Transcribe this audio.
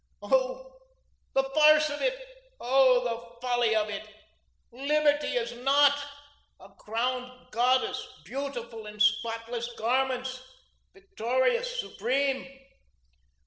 Oh, the farce of it, oh, the folly of it! Liberty is NOT a crowned goddess, beautiful, in spotless garments, victorious, supreme.